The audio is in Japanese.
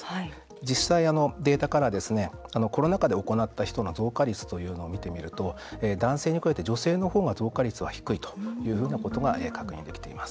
実際、データからはコロナ禍で行った人の増加率というのを見てみると男性に比べて女性の方が増加率は低いというふうなことが確認できています。